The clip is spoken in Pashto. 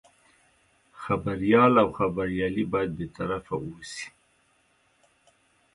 خبریال او خبریالي باید بې طرفه اوسي.